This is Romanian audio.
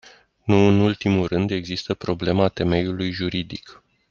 Nu în ultimul rând, există problema temeiului juridic.